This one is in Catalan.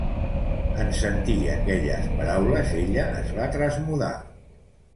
En sentir aquelles paraules, ella es va trasmudar.